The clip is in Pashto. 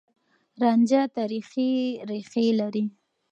رانجه تاريخي ريښې لري.